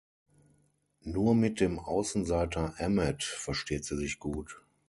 Nur mit dem Außenseiter Emmet versteht sie sich gut.